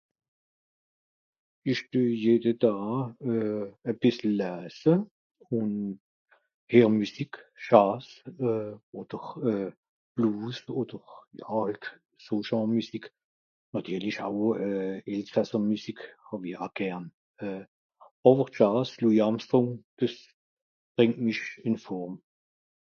esch due Jede Daa euh a bìssel laasse un heer Musik Jazz oder Blues oder ... so genre Musik nàtirli esch aw elsasse Musik hawie aw gern euh awer Jazz Louis armstrong des brìngt mich in form